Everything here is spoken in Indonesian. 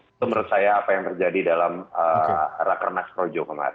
itu menurut saya apa yang terjadi dalam rakernas projo kemarin